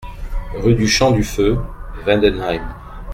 Rue du Champ du Feu, Vendenheim